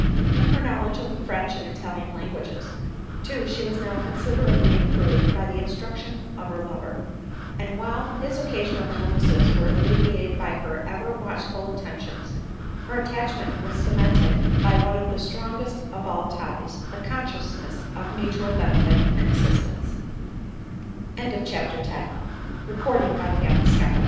In her knowledge of the French and Italian languages, too, she was now considerably improved by the instruc tions of her lover ; and while his occasional illnesses were alleviated by her ever watchful attentions, their attach ment was cemented by one of the strongest of all ties * the consciousness of mutual benefit and